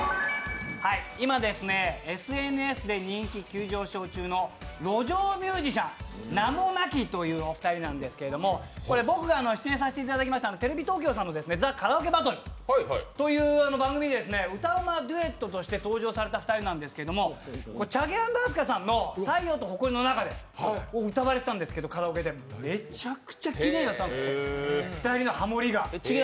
今、ＳＮＳで人気急上昇中の路上ミュージシャンなもなきというお二人なんですけれども僕が出演させていただきましたテレビ東京さんの「ＴＨＥカラオケ★バトル」という番組で歌うまデュエットとして登場された２人なんですけど、ＣＨＡＧＥ＆ＡＳＫＡさんの「太陽と埃の中で」をカラオケで歌われていたんですけどめちゃくちゃきれいだったんですよ２人のハモりが。